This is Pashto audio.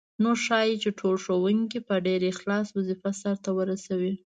نو ښايي چې ټول ښوونکي په ډېر اخلاص وظیفه سرته ورسوي.